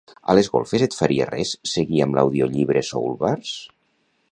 A les golfes et faria res seguir amb l'audiollibre "Soulwars"?